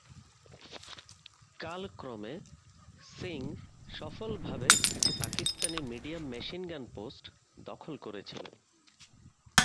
কালক্রমে, সিং সফলভাবে একটি পাকিস্তানি মিডিয়াম মেশিন-গান পোস্ট দখল করেছিলেন।